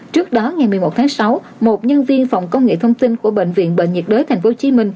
trước đó ngày một mươi một tháng sáu một nhân viên phòng công nghệ thông tin của bệnh viện bệnh nhiệt đới tp hcm